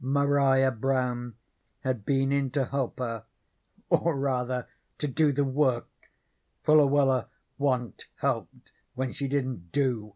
Maria Brown had been in to help her, or rather to do the work, for Luella wa'n't helped when she didn't do anythin'.